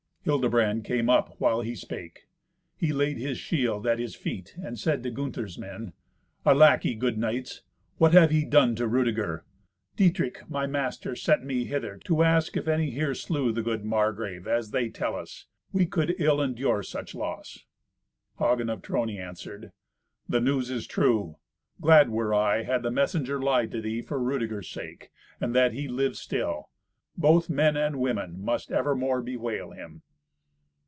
Hildebrand came up while he spake. He laid his shield at his feet, and said to Gunther's men, "Alack! ye good knights! What have ye done to Rudeger? Dietrich, my master, sent me hither to ask if any here slew the good Margrave, as they tell us. We could ill endure such loss." Hagen of Trony answered, "The news is true. Glad were I had the messenger lied to thee, for Rudeger's sake, and that he lived still. Both men and women must evermore bewail him."